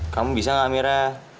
kamu bisa gak amira